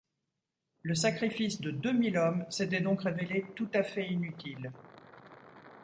Le sacrifice de deux mille hommes s'était donc révélé tout à fait inutile.